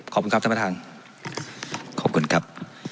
ขอบคุณครับท่านประธานขอบคุณครับ